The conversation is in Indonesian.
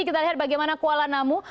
kita lihat bagaimana kuala namu